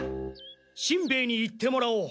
しんべヱに行ってもらおう。